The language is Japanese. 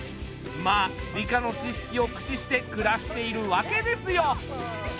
まあ理科の知識を駆使して暮らしているわけですよ。